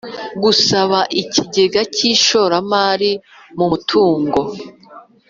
Gusaba ikigega cy ishoramari mu mutungo